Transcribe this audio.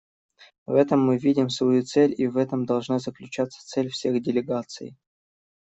В этом мы видим свою цель и в этом должна заключаться цель всех делегаций.